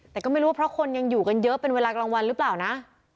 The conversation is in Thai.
ดูว่าเพราะคนยังอยู่กันเยอะเป็นเวลากล่องวันหรือเปล่านะ